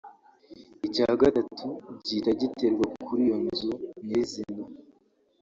icya gatatu gihita giterwa kuri iyo nzu nyirizina